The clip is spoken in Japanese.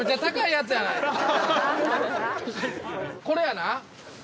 これやな。